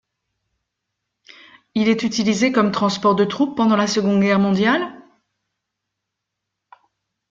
Il est utilisé comme transports de troupes pendant la Seconde Guerre mondiale?